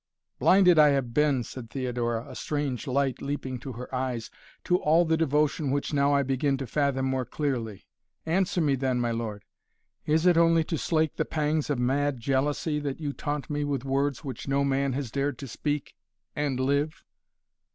"Blinded I have been," said Theodora, a strange light leaping to her eyes, "to all the devotion which now I begin to fathom more clearly. Answer me then, my lord! Is it only to slake the pangs of mad jealousy that you taunt me with words which no man has dared to speak and live?"